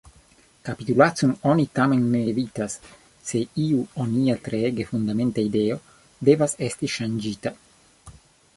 Kapitulacon oni tamen ne evitas, se iu onia treege fundamenta ideo devas esti ŝanĝita.